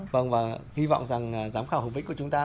vâng và hy vọng rằng giám khảo hồng vĩnh của chúng ta